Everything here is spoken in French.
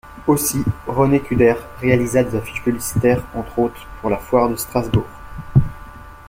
Aussi, René Kuder réalisa des affiches publicitaires, entre autres pour la Foire de Strasbourg.